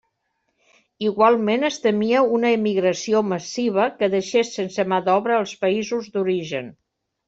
Igualment es temia una emigració massiva que deixés sense mà d'obra els països d'origen.